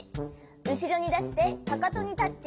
うしろにだしてかかとにタッチ。